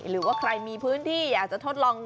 หรือว่าใครมีพื้นที่อยากจะทดลอง